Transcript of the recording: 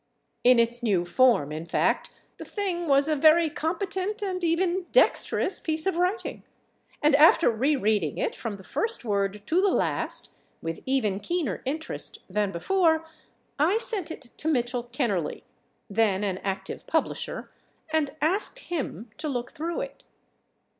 In its new form, in fact, the thing was a very competent and even dexterous piece of writing, and after re reading it from the first word to the last with even keener interest than before, I sent it to Mitchell Kennerley, then an active publisher, and asked him to look through it.